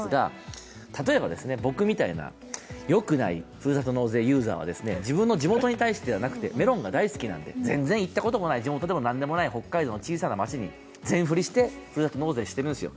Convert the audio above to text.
例えば僕みたいなよくないふるさと納税ユーザーは自分の地元に対してではなくてメロンが大好きなので全然行ったこともない北海道の町に全振りしてふるさと納税してるんですよ。